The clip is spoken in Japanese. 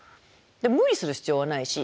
無理する必要はないし。